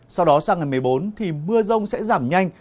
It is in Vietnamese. sau đó sang ngày một mươi bốn thì mưa rông sẽ giảm nhanh